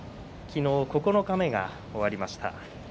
昨日、九日目が終わりました。